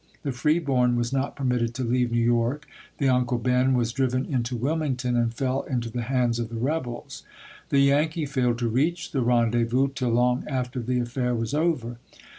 The Freeborn was not per mitted to leave New York. The Uncle Ben was driven into Wilmington and fell into the hands of the rebels. The Yankee failed to reach the ren dezvous till long after the affair was over.